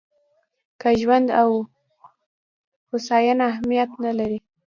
که ژوند او هوساینه اهمیت نه لري.